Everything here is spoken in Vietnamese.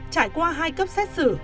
trải qua hai cấp xét xử